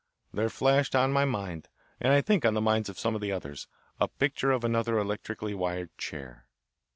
There flashed on my mind, and I think on the minds of some of the others, a picture of another electrically wired chair.